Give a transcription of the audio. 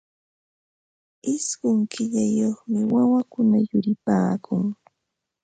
Ishqun killayuqmi wawakuna yuripaakun.